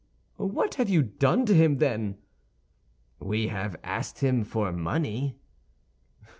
"What have you done to him, then?" "We have asked him for money."